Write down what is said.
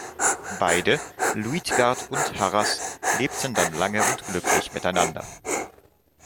Beide, Luitgard und Harras, lebten dann lange und glücklich miteinander.